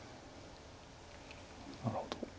なるほど。